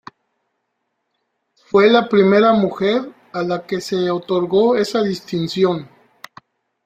Fue la primera mujer a la que se otorgó esa distinción.